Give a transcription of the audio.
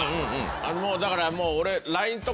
もうだからもう俺。